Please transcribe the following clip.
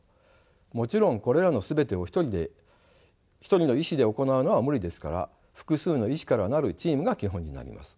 もちろんこれらの全てを一人の医師で行うのは無理ですから複数の医師から成るチームが基本になります。